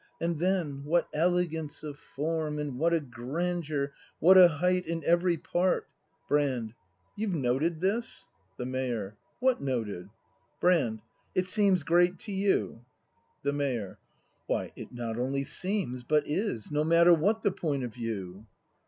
And then, what elegance of form, And what a grandeur, what a height In every part Brand. You've noted this ? What noted ? The Mayor. Brand. It seems great to you ? ACT V] BRAND 229 The Mayor. Why, It not only seems, but i s, No matter what the point of view.